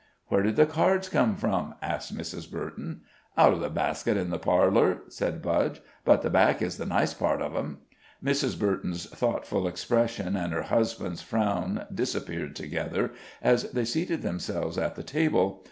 "Where did the cards come from?" asked Mrs. Burton. "Out of the basket in the parlor," said Budge; "but the back is the nice part of 'em." Mrs. Burton's thoughtful expression and her husband's frown disappeared together, as they seated themselves at the table.